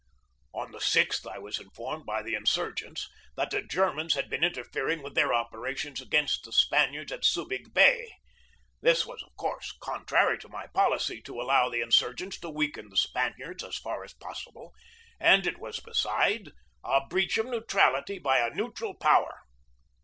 On the 6th I was informed by the insurgents that the Germans had been interfering with their opera tions against the Spaniards in Subig Bay. This was, of course, contrary to my policy to allow the insur gents to weaken the Spaniards as far as possible, and it was, besides, a breach of neutrality by a neutral power.